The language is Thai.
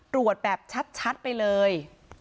ตรวจแบบชัดไปเลย